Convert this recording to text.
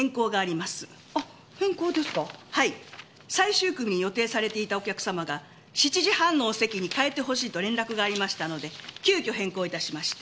最終組に予定されていたお客様が７時半のお席に変えてほしいと連絡がありましたので急遽変更致しました。